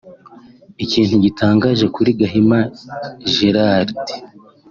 Ikintu gitangaje kuri Gahima Gerard